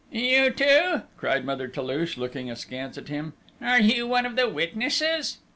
"You, too?" cried Mother Toulouche, looking askance at him. "Are you one of the witnesses?"